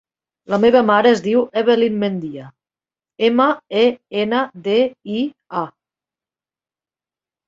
La meva mare es diu Evelyn Mendia: ema, e, ena, de, i, a.